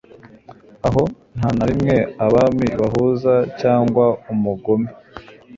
Aho nta na rimwe abami bahuza cyangwa umugome